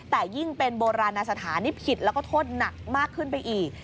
แต่ยิ่งเป็นโบราณสถานนี่ผิดแล้วก็โทษหนักมากขึ้นไปอีก